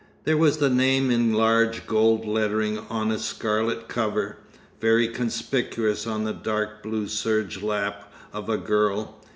There was the name in large gold lettering on a scarlet cover, very conspicuous on the dark blue serge lap of a girl.